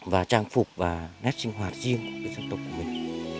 và trang phục và nét sinh hoạt riêng của dân tộc của mình